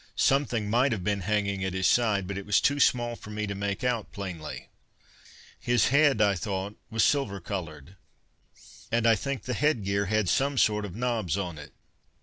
Something might have been hanging at his side, but it was too small for me to make out plainly. His head, I thought was silver coloured, and I think the headgear had some sort of knobs on it.